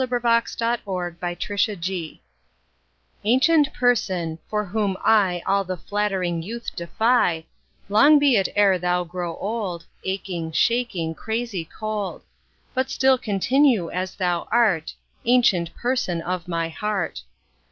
7 Autoplay Ancient Person, for whom I All the flattering youth defy, Long be it e'er thou grow old, Aching, shaking, crazy cold; But still continue as thou art, Ancient Person of my heart.